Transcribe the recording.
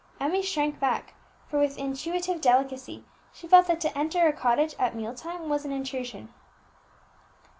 Emmie shrank back, for with intuitive delicacy she felt that to enter a cottage at meal time was an intrusion.